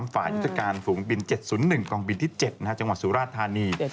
ฝ่ายยุทธการฝูงบิน๗๐๑กองบินที่๗จังหวัดสุราชธานี